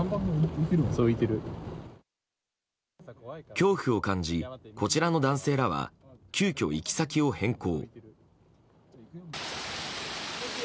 恐怖を感じ、こちらの男性らは急きょ行き先を変更。